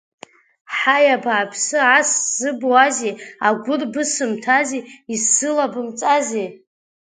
Ҳаи, абааԥсы, ас зыбузеи, агәыр бысымҭази, изсылабымҵазеи?